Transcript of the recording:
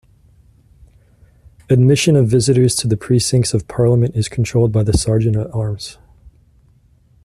Admission of visitors to the precincts of Parliament is controlled by the Serjeant-at-Arms.